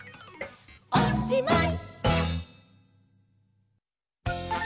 おしまい！